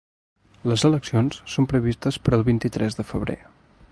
Les eleccions són previstes per al vint-i-tres de febrer.